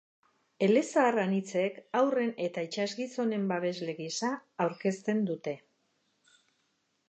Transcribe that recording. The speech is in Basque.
Elezahar anitzek haurren eta itsasgizonen babesle gisa aurkezten dute.